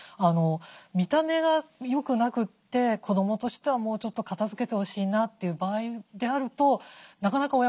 見た目が良くなくて子どもとしてはもうちょっと片づけてほしいなという場合であるとなかなか親御さんもね